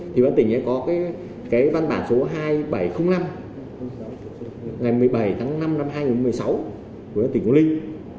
thì quản lý tế có cái văn bản số hai nghìn bảy trăm linh năm ngày một mươi bảy tháng năm hai nghìn một mươi sáu của quản lý tế